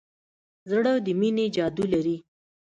زړه د مینې جادو لري.